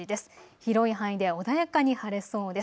広い範囲で穏やかに晴れそうです。